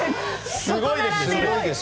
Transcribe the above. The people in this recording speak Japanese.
すごいですよ。